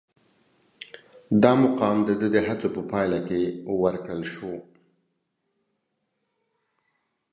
دا مقام د ده د هڅو په پایله کې ورکړل شو.